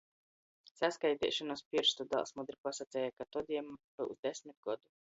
Saskaiteišona iz pierstu, dāls mudri pasaceja, ka tod jam byus desmit godu.